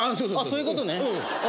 そういうことね。